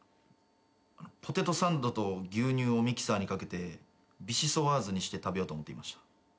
ポテトサンドと牛乳をミキサーにかけてビシソワーズにして食べようと思っていました。